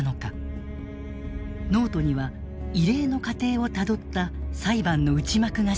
ノートには異例の過程をたどった裁判の内幕が記されている。